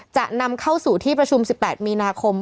จะนำเข้าสู่ที่ประชุม๑๘มีนาคม